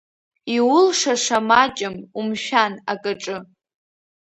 Иулшаша маҷым, умшәан акаҿы.